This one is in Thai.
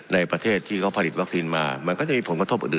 ในประเทศที่เขาผลิตวัคซีนมามันก็จะมีผลกระทบอื่น